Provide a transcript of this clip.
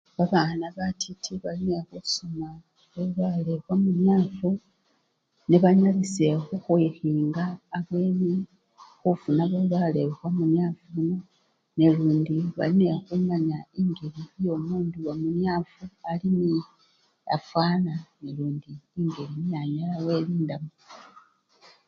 Babana batiti bali nekhusoma bulwale bwamuniafu nebanyalisye khukhwikhinga abweni khufuna bulwale bwamuniafu buno nelundi bali nekhumanya engeli yomundu wamuniafu alini afwana nalundi engeli niye anyala welindamo.